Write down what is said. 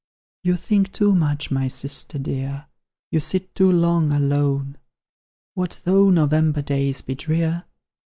"You think too much, my sister dear; You sit too long alone; What though November days be drear?